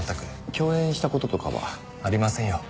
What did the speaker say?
共演した事とかは？ありませんよ。